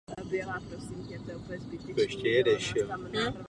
V Česku je dlouhodobě chována pouze v Zoo Praha.